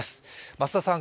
増田さん